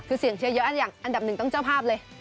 คือเสียงเชียร์เยอะอย่างอันดับหนึ่งต้องเจ้าภาพเลย